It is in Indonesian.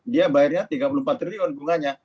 dia bayarnya tiga puluh empat triliun bunganya